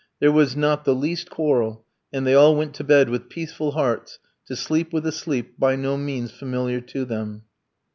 There was not the least quarrel, and they all went to bed with peaceful hearts, to sleep with a sleep by no means familiar to them.